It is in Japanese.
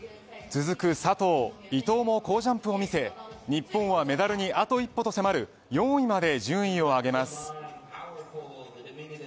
続く佐藤伊藤も好ジャンプを見せ日本はメダルにあと一歩と迫る４位まで順位を上げます。